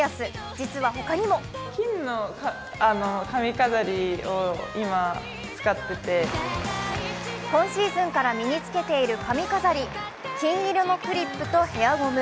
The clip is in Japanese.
実はほかにも今シーズンから身に着けている髪飾り金色のクリップとヘアゴム。